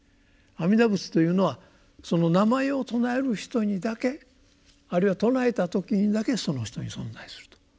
阿弥陀仏というのはその名前を称える人にだけあるいは称えた時にだけその人に存在すると。